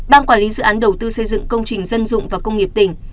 ban quản lý dự án đầu tư xây dựng công trình dân dụng và công nghiệp tỉnh